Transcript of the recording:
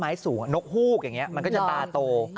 ต้นไม้สูงนกหลุกอย่างนี้มันก็จะตาโต